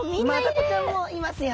マダコちゃんもいますよ。